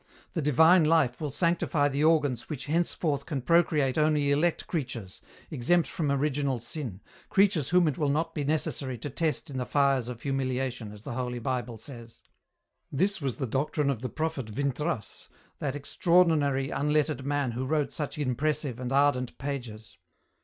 The divine life will sanctify the organs which henceforth can procreate only elect creatures, exempt from original sin, creatures whom it will not be necessary to test in the fires of humiliation, as the Holy Bible says. This was the doctrine of the prophet Vintras, that extraordinary unlettered man who wrote such impressive and ardent pages.